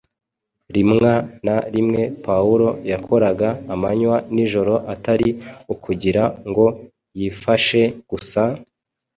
Rimwa na rimwe Pawulo yakoraga amanywa n’ijoro atari ukugira ngo yifashe gusa,